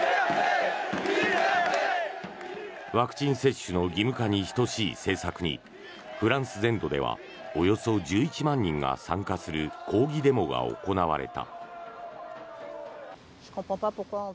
ワクチン接種の義務化に等しい政策にフランス全土ではおよそ１１万人が参加する抗議デモが行われた。